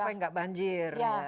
supaya enggak banjir